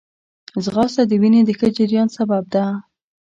ځغاسته د وینې د ښه جریان سبب ده